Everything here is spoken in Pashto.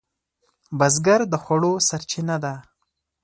بزګر د خوړو سرچینه ده